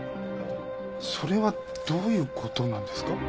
それはどういう事なんですか？